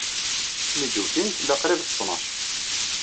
Mi d-ukin, tella qrib d ttnac.